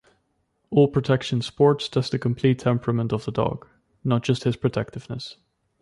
All protection sports test the complete temperament of the dog, not just his protectiveness.